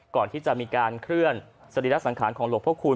ก่อนที่จะมีการเคลื่อนสรีระสังขารของหลวงพระคุณ